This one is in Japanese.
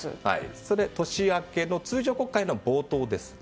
年明けの通常国会の冒頭ですね。